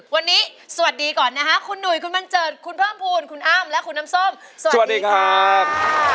วันนี้สวัสดีก่อนนะคะคุณหนุ่ยคุณบันเจิดคุณเพิ่มภูมิคุณอ้ำและคุณน้ำส้มสวัสดีครับ